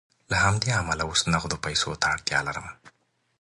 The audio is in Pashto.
له همدې امله اوس نغدو پیسو ته اړتیا لرم